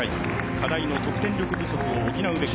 課題の得点力不足を補うべく